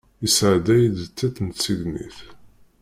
Yesɛedda-yi di tiṭ n tsegnit.